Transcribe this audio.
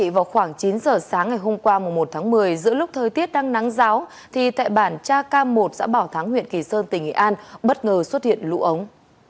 vào khoảng chín giờ sáng ngày hôm qua một tháng một mươi giữa lúc thời tiết đang nắng giáo thì tại bản cha cam một xã bảo thắng huyện kỳ sơn tỉnh nghệ an bất ngờ xuất hiện lũ ống